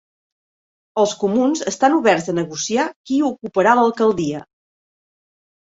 Els comuns estan oberts a negociar qui ocuparà l'alcaldia